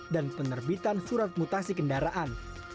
dan penerbitan surat mutasi kendaraan